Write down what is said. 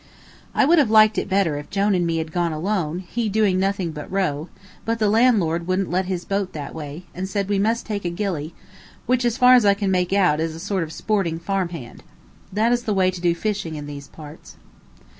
I would have liked it better if Jone and me had gone alone, he doing nothing but row; but the landlord wouldn't let his boat that way, and said we must take a gilly, which, as far as I can make out, is a sort of sporting farmhand. That is the way to do fishing in these parts.